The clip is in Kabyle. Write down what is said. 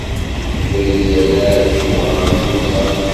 La izerreɛ lǧuheṛ i tyuzaḍ.